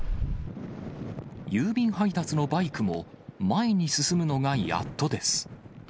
郵便配達のバイクも前に進むのがやっとです。